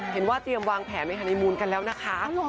เห็นว่าเตรียมวางแผนไปฮานีมูลกันแล้วนะคะ